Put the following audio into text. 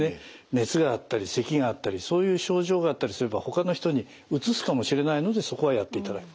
熱があったりせきがあったりそういう症状があったりすればほかの人にうつすかもしれないのでそこはやっていただく。